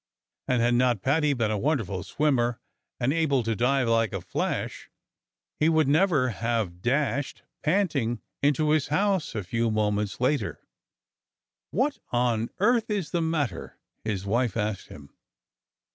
And had not Paddy been a wonderful swimmer and able to dive like a flash, he would never have dashed, panting, into his house a few moments later. "What on earth is the matter?" his wife asked him.